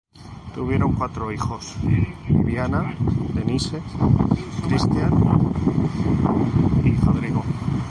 Tuvieron cuatro hijos: Viviana, Denise, Christian y Rodrigo.